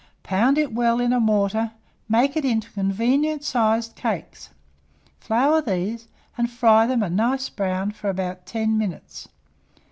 Pound it well in a mortar, make it into convenient sized cakes, flour these, and fry them a nice brown for about 10 minutes.